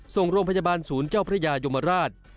ส่งโรงพยาบาลศูนย์เจ้าพระยายมราช